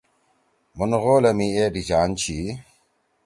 مُھن غولے می اے ڈھیچان چھی۔